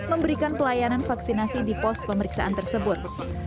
memberikan pelayanan vaksinasi di pos pemeriksaan tersebut